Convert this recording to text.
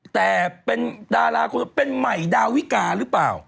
แต่เป็นดาราคนเป็นใหม่ดาวิกาหรือเปล่า